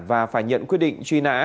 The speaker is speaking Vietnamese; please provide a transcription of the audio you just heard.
và phải nhận quyết định truy nã